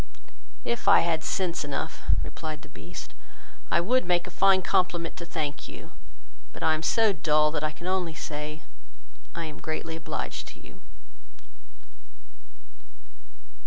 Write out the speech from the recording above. "If I had sense enough, (replied the Beast,) I would make a fine compliment to thank you, but I am so dull, that I can only say, I am greatly obliged to you."